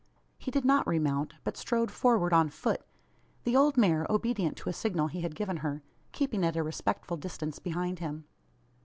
He did not re mount, but strode forward on foot; the old mare, obedient to a signal he had given her, keeping at a respectful distance behind him.